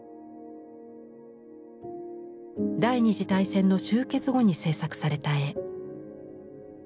第２次大戦の終結後に制作された絵。